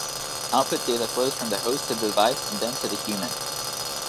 Output data flows from the host to the device and then to the human.